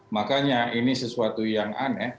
makanya ini sesuatu yang aneh